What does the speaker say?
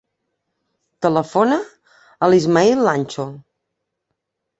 Telefona a l'Ismaïl Lancho.